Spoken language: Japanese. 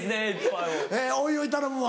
おいおい頼むわ。